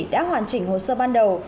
đã hoàn chỉnh hồ sơ ban đầu